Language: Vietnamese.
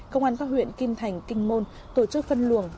công an các huyện kim thành kinh môn tổ chức phân luồng